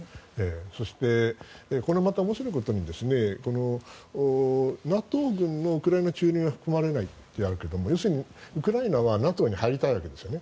そして、これまた面白いことにＮＡＴＯ軍のウクライナ駐留は含まれないとあるけれども要するにウクライナはＮＡＴＯに入りたいわけですね。